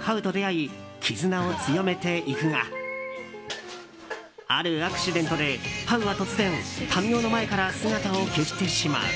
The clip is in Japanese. ハウと出会い絆を強めていくがあるアクシデントでハウは突然、民夫の前から姿を消してしまう。